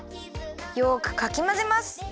よくかきまぜます。